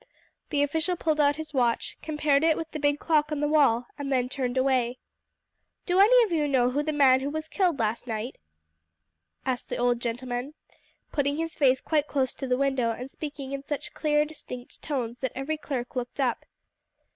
The official pulled out his watch, compared it with the big clock on the wall, then turned away. "Do any of you know who the man was who was killed last night?" asked the old gentleman, putting his face quite close to the window, and speaking in such clear, distinct tones that every clerk looked up.